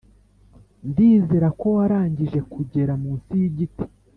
Ndizera ko warangije kugera munsi y’igiti.